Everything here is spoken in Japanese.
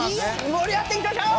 もり上がっていきましょう！